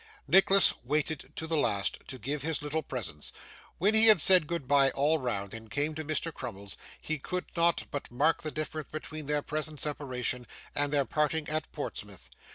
Nicholas waited to the last to give his little presents. When he had said goodbye all round and came to Mr. Crummles, he could not but mark the difference between their present separation and their parting at Portsmouth.